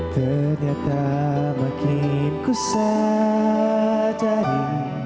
ternyata makin ku sadari